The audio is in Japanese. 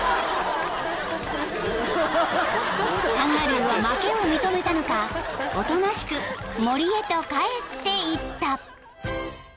［カンガルーは負けを認めたのかおとなしく森へと帰っていった］